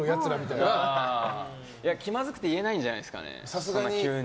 いや、気まずくて言えないんじゃないですかね。